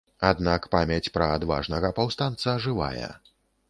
Аднак памяць пра адважнага паўстанца жывая.